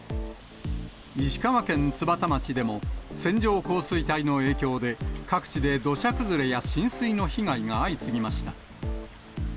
石川県津幡町でも、線状降水帯の影響で、各地で土砂崩れや浸水の被害が相次ぎました。